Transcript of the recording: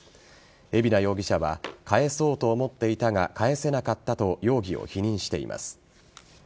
海老名容疑者は返そうと思っていたが返せなかったと、容疑を否認しています。